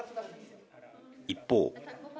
一方。